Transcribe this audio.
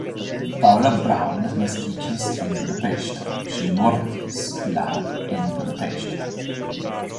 Paula Braun naskiĝis la en Budapeŝto, ŝi mortis la en Budapeŝto.